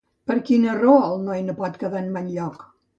Per quina raó el noi pot quedar en mal lloc?